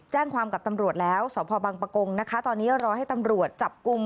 แจ้งความกับตำรวจแล้วสพบังปะกงนะคะตอนนี้รอให้ตำรวจจับกลุ่ม